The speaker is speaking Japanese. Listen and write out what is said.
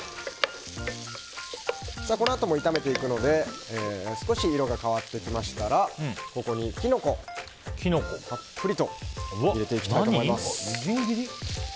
このあとも炒めていくので少し色が変わってきましたらここにキノコをたっぷりと入れていきたいと思います。